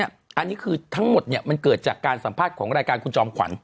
อันนี้คือทั้งหมดมันเกิดจากการสัมภาษณ์ของรายการคุณจอมขวัญ